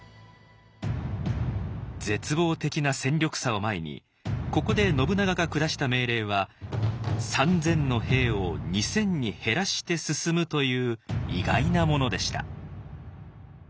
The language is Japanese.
絶望的な戦力差を前にここで信長が下した命令は三千の兵を二千に減らして進むという意外なものでした。